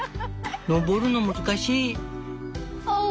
登るの難しい」。